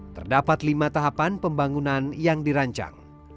terdapat lima tahapan pembangunan yang dirancang